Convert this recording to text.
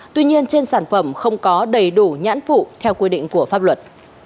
tuy nhiên trên sản phẩm không có đầy đủ nhãn phụ theo quy định của pháp luật